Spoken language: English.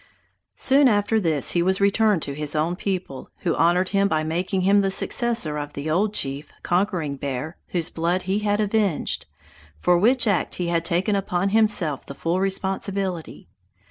Soon after this he was returned to his own people, who honored him by making him the successor of the old chief, Conquering Bear, whose blood he had avenged, for which act he had taken upon himself the full responsibility.